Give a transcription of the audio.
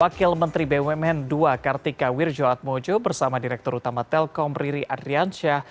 pakil menteri bumn ii kartika wirjoatmojo bersama direktur utama telkom riri adrian syah